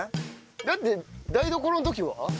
だって『台所』の時は？